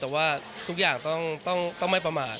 แต่ว่าทุกอย่างต้องไม่ประมาท